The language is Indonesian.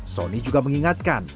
sony juga mengingatkan